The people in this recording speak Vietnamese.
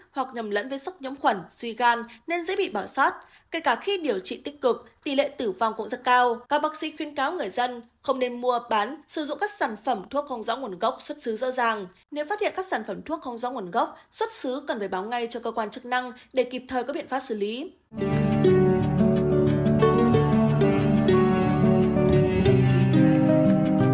phẩm thuốc không giống nguồn gốc xuất xứ cần phải báo ngay cho cơ quan chức năng để kịp thời có biện pháp xử lý